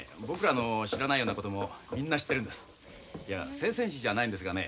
僕らの知らないようなこともみんな知ってるんです。